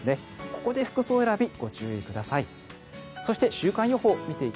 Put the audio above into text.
ここで服装選びご注意ください。